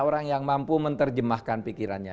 orang yang mampu menerjemahkan pikirannya